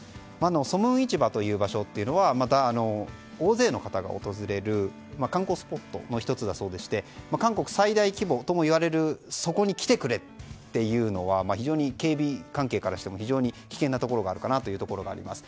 ソムン市場という場所は大勢の方が訪れる観光スポットの１つだそうでして韓国最大規模ともいわれる場所に来てくれというのは非常に警備関係からしても危険なところがある気がします。